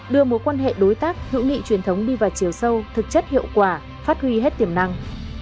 đưa mối quan hệ đối tác hữu nghị truyền thống đi vào chiều sâu thực chất hiệu quả phát huy hết tiềm năng